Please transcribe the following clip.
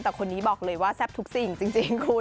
แต่คนนี้บอกเลยว่าแซ่บทุกสิ่งจริงคุณ